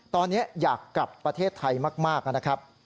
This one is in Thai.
ตอนนี้อยากกลับประเทศไทยมากนะครับ